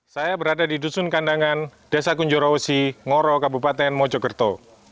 saya berada di dusun kandangan desa kunjorosi ngoro kabupaten mojokerto